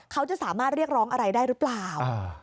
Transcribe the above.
เขาจะสามารถเรียกร้องอะไรได้หรือเปล่า